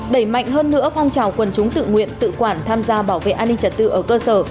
đẩy mạnh hơn nữa phong trào quân chúng tự nguyện tự quản tham gia bảo vệ an ninh trật tự ở cơ sở